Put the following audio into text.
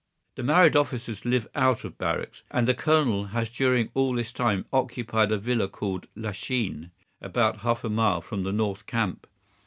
The married officers live out of barracks, and the Colonel has during all this time occupied a villa called Lachine, about half a mile from the north camp.